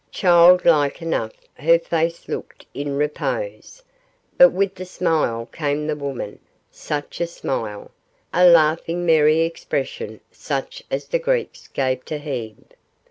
Child like enough her face looked in repose, but with the smile came the woman such a smile, a laughing merry expression such as the Greeks gave to Hebe.